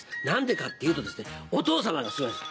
何でかっていうとお父様がすごい。